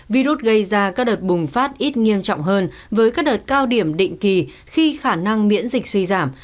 virus gây ra các đợt bùng phát ít nghiêm trọng hơn với các đợt cao điểm định kỳ khi khả năng miễn dịch suy giảm